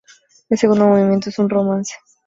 El segundo movimiento es un "Romance".